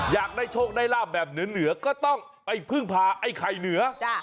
อยากได้โชคได้ลาบแบบเหนือก็ต้องไปพึ่งพาไอ้ไข่เหนือ